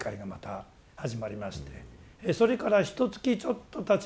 それからひとつきちょっとたちまして